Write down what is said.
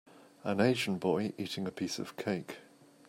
An asian boy eating a piece of cake.